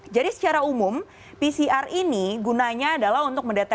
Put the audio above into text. jadi secara umum pcr ini gunanya adalah untuk mendapatkan